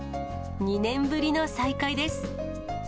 ２年ぶりの再会です。